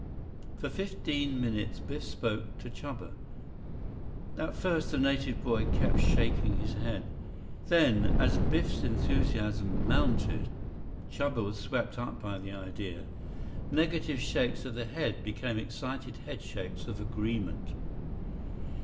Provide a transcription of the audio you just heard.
65 For fifteen minutes Biff spoke to Chuba. At first, the native boy kept shaking his head. Then, as Biff's enthusiasm mounted, Chuba was swept up by the idea. Negative shakes of his head became excited head shakes of agreement.